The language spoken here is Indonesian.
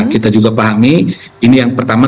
kita juga pahami ini yang pertama